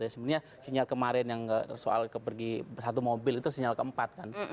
sebenarnya sinyal kemarin yang soal pergi satu mobil itu sinyal ke empat kan